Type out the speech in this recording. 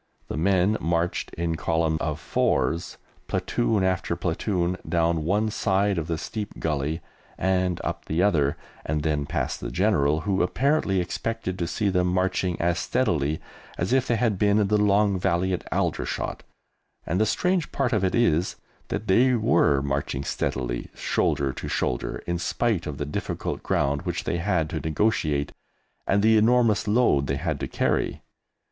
The men marched in column of fours, platoon after platoon, down one side of the steep gully and up the other, and then past the General, who apparently expected to see them marching as steadily as if they had been in the Long Valley at Aldershot; and the strange part of it is that they were marching steadily, shoulder to shoulder, in spite of the difficult ground which they had to negotiate and the enormous load they had to carry.